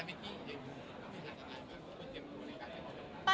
แต่มั่นใจอีกมาก